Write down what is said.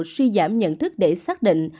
suy giảm nhận thức để xác định